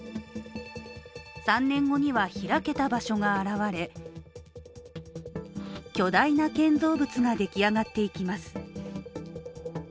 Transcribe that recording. ３年後には開けた場所が現れ巨大な建造物が出来上がっていきます。